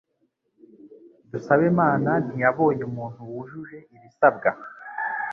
Dusabemana ntiyabonye umuntu wujuje ibisabwa.